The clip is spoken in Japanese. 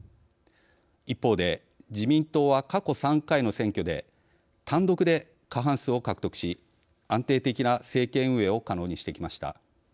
一方で自民党は過去３回の選挙で単独で過半数を獲得し安定的な政権運営を可能にしてきました。